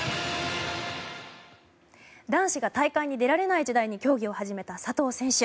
男子が大会に出られない時代に競技を始めた佐藤選手。